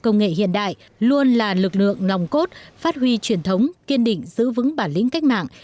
công nghệ hiện đại luôn là lực lượng nòng cốt phát huy truyền thống kiên định giữ vững bản lĩnh cách mạng